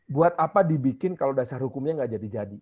buat apa dibikin kalau dasar hukumnya gak jadi jadi